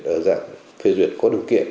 ở dạng phê duyệt có điều kiện